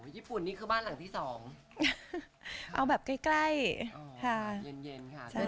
ญี่ปุ่นนี่คือบ้านหลังที่สอง